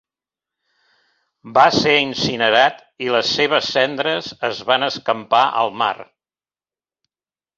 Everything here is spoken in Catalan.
Va ser incinerat, i les seves cendres es van escampar al mar.